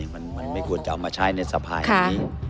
มันไม่ควรจะเอามาใช้ในสภายหนึ่ง